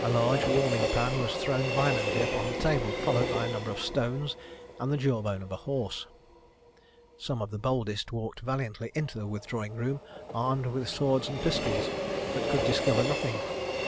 406._] large warming pan was thrown violently upon the table, followed by a number of stones, and the jawbone of a horse. Some of the boldest walked valiantly into the withdrawing room, armed with swords and pistols, but could discover nothing.